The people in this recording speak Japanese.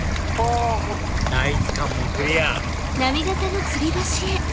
第１関門クリア！